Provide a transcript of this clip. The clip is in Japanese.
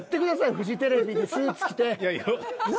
フジテレビにスーツ着て。